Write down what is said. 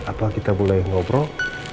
atau kita boleh ngobrol